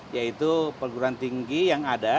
yaitu perguruan tinggi yang ada